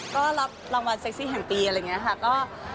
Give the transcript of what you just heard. ก็รับรางวัลเซ็กซี่แห่งปีอะไรอย่างนี้ค่ะ